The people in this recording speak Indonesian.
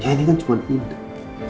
ini kan cuma indah